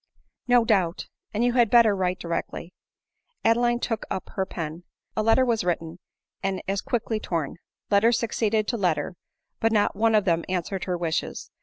" No doubt ; and you had better write directly." Adeline took up her pen. A letter was written — and as quickly torn. Letter succeeded to letter ; but not one of them answered her wishes.